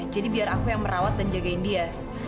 jadi biar aku yang merawat dan jagain dia